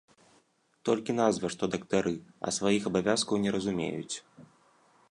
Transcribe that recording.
Толькі назва, што дактары, а сваіх абавязкаў не разумеюць.